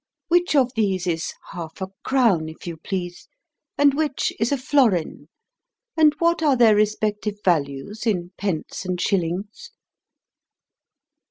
Which of these is half a crown, if you please, and which is a florin? and what are their respective values in pence and shillings?"